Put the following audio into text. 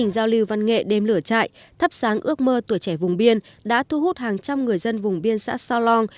giao lưu văn nghệ đêm lửa chạy thắp sáng ước mơ tuổi trẻ vùng biên đã thu hút hàng trăm người dân vùng biên xã long